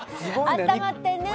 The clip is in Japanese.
あったまってんね！